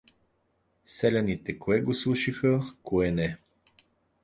Селяните кое го слушаха, кое не.